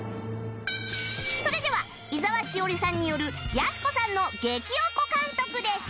それでは井澤詩織さんによるやす子さんの激おこ監督です